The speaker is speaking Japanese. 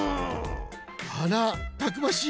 あらたくましい。